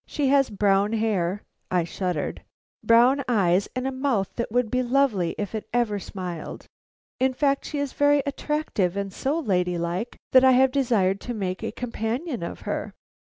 She has brown hair," I shuddered, "brown eyes, and a mouth that would be lovely if it ever smiled. In fact, she is very attractive and so lady like that I have desired to make a companion of her.